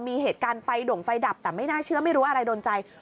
มีเหตุการณ์ไฟด่งไฟดับแต่ไม่น่าเชื่อไม่รู้อะไรโดนใจ